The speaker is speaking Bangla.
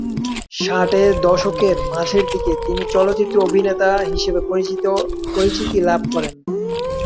ষাটের দশকের মাঝের দিকে তিনি চলচ্চিত্র অভিনেতা হিসেবে পরিচিতি লাভ করেন।